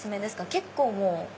結構もう。